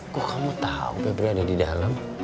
kok kamu tau pebli ada di dalam